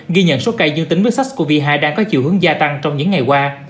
ghi nhận số ca dương tính với sars cov hai đang có chiều hướng gia tăng trong những ngày qua